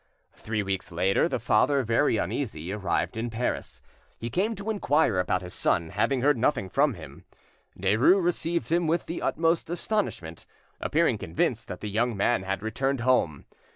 Three weeks later, the father, very uneasy, arrived in Paris. He came to inquire about his son, having heard nothing from him. Derues received him with the utmost astonishment, appearing convinced that the young man had returned home.